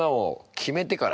決めてから。